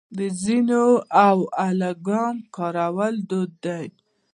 د زین او لګام کارول دود و